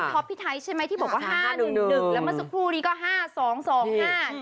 ท็อปพี่ไทท์ใช่ไหมที่บอกว่า๕๑๑แล้วเมื่อสักครู่นี้ก็๕๒๕๕อย่างนี้